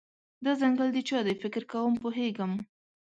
دا ځنګل د چا دی، فکر کوم پوهیږم